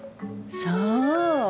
そう。